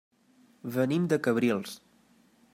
Venim de Cabrils.